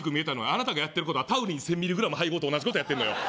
あなたがやってることはタウリン１０００ミリグラム配合と同じことやってんのよ